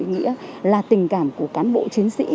nghĩa là tình cảm của cán bộ chiến sĩ